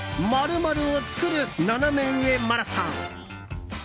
○○を作るナナメ上マラソン。